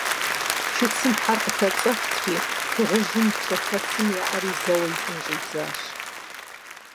Чыцэм хьэр къыхэцӀэфтри, дыгъужьым и пщэфэцым еӀэри, зэуэ илӀын щӀидзащ.